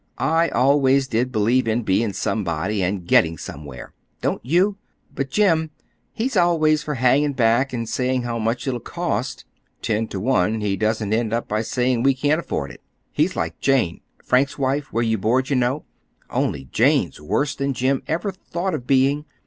I always did believe in being somebody, and getting somewhere. Don't you? But Jim—he's always for hanging back and saying how much it'll cost. Ten to one he doesn't end up by saying we can't afford it. He's like Jane,—Frank's wife, where you board, you know,—only Jane's worse than Jim ever thought of being.